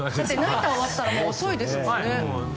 ナイター終わった時遅いですもんね。